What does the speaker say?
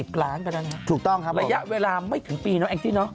เท่าไรล่ะถูกต้องครับระยะเวลาไม่ถึงปีเนอะแอ็งซี่เนอะ